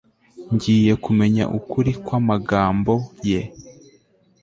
ngiye kumenya ukuri kw'amagambo ye